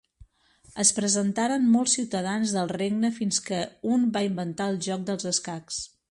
Es presentaren molts ciutadans del regne fins que un va inventar el joc dels escacs.